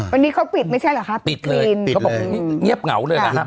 วันนี้เขาปิดไม่ใช่เหรอครับปิดเลยเงียบเหงาเลย